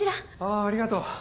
あありがとう。